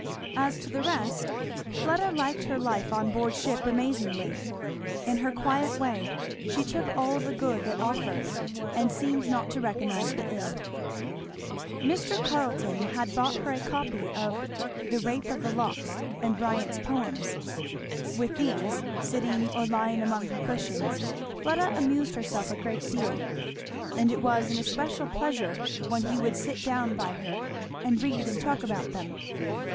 As to the rest Fleda liked her life on board ship amazingly. In her quiet way she took all the good that offered and seemed not to recognise the ill. Mr. Carleton had bought for her a copy of The Rape of the Lock, and Bryant's poems. With these, sitting or lying among her cushions, Fleda amused herself a great deal; and it was an especial pleasure when he would sit down by her and read and talk about them.